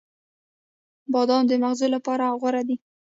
• بادام د مغزو لپاره غوره دی.